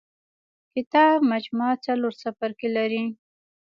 کتاب مجموعه څلور څپرکي لري.